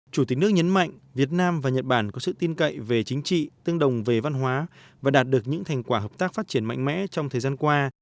chủ tịch nước nhấn mạnh việt nam và nhật bản có sự tin cậy về chính trị tương đồng về văn hóa và đạt được những thành quả hợp tác phát triển mạnh mẽ trong thời gian qua